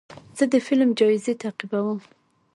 زه د فلم جایزې تعقیبوم.